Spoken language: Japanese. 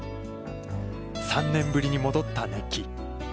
３年ぶりに戻った熱気。